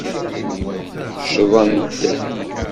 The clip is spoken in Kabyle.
Ccḍent.